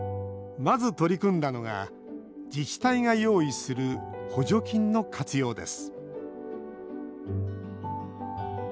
まず取り組んだのが自治体が用意する補助金の活用です